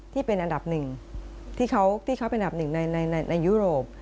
ที่เป็นอันดับหนึ่งที่เขาเป็นอันดับหนึ่งในยุโรป